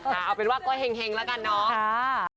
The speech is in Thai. เอาเป็นว่าก็เห็งแล้วกันเนาะ